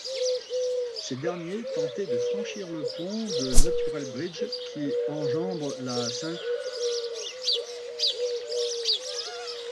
Ces derniers tentaient de franchir le pont de Natural Bridge qui enjambe la St.